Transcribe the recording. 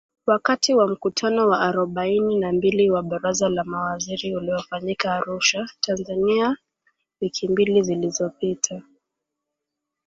Wakati wa mkutano wa arobaini na mbili wa Baraza la Mawaziri uliofanyika Arusha, Tanzania wiki mbili zilizopita.